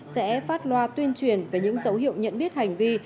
sẽ phát loa tuyên truyền về những dấu hiệu nhận biết hành vi